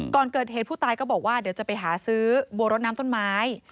ก่อนเกิดเหตุผู้ตายก็บอกว่าเดี๋ยวจะไปหาซื้อบัวรถน้ำต้นไม้